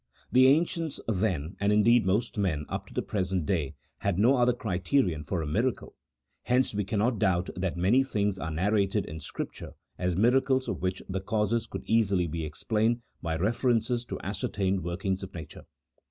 The ancients, then, and indeed most men up to the present day, had no other criterion for a miracle ;, hence we cannot doubt that many things are narrated in Scripture as miracles of which the causes could easily be ex plained by reference to ascertained workings of nature.